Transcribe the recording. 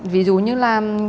ví dụ như là